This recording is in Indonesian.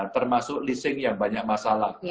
termasuk leasing yang banyak masalah